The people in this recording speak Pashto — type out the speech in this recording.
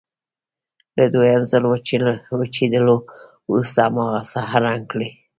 له دویم ځل وچېدلو وروسته هماغه ساحه رنګ کړئ.